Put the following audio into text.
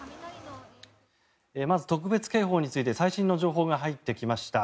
まず、特別警報について最新の情報が入ってきました。